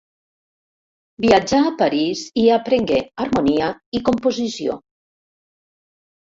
Viatjà a París i hi aprengué Harmonia i Composició.